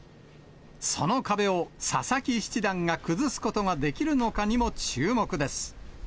その壁を佐々木七段が崩すことができるのかにも注目です。